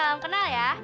kalah kenal ya